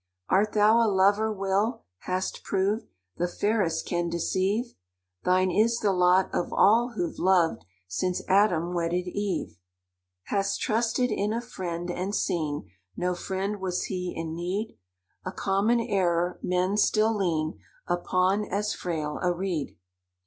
"Art thou a lover, Will?—Hast proved The fairest can deceive? Thine is the lot of all who've loved Since Adam wedded Eve. "Hast trusted in a friend, and seen No friend was he in need? A common error—men still lean Upon as frail a reed.